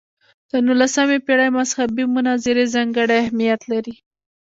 د نولسمې پېړۍ مذهبي مناظرې ځانګړی اهمیت لري.